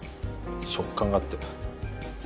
食感があって。